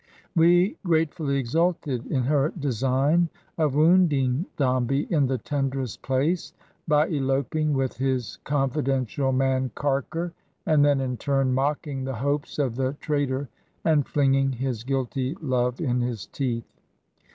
We gratefully exulted in her design of wounding Dombey in the tenderest place by eloping with his confidential man Carker, and then in turn mocking the hopes of the traitor and flinging his guilty love in his teeth.